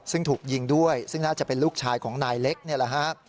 ซึ่งถูกยิงด้วยซึ่งน่าจะเป็นลูกชายของนายเล็กนี่แหละฮะ